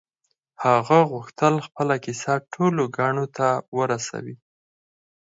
هغه غوښتل خپله کيسه ټولو کڼو ته ورسوي.